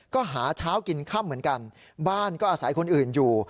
ก็หาเช้ากินค่ำเหมือนกันบ้านก็อาศัยคนอื่นอยู่